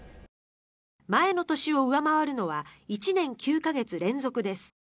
前の年を上回るのは１年９か月連続です。